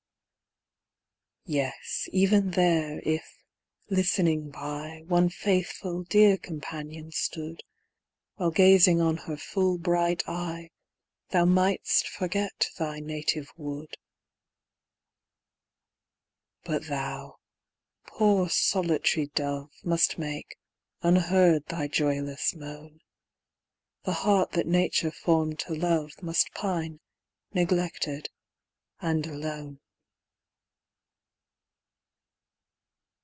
Yes, even there, if, listening by, One faithful dear companion stood, While gazing on her full bright eye, Thou mightst forget thy native wood But thou, poor solitary dove, Must make, unheard, thy joyless moan; The heart that Nature formed to love Must pine, neglected, and alone.